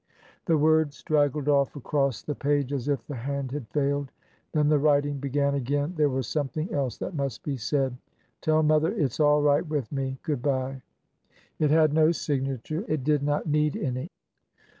The word straggled off across the page, as if the hand had failed. Then the writing began again— there was something else that must be said. " Tell mother it 's all right with me. Good by." It had no signature. It did not need any.